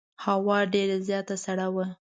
هوا ډېره زیاته سړه وه.